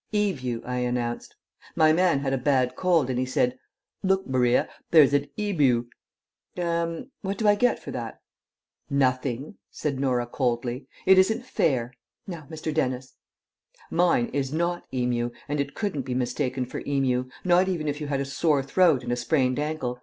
"Ebu," I announced. "My man had a bad cold, and he said, 'Look, Baria, there's ad Ebu.' Er what do I get for that?" "Nothing," said Norah coldly. "It isn't fair. Now, Mr. Dennis." "Mine is not Emu, and it couldn't be mistaken for Emu; not even if you had a sore throat and a sprained ankle.